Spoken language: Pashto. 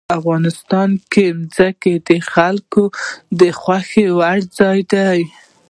افغانستان کې ځمکه د خلکو د خوښې وړ ځای دی.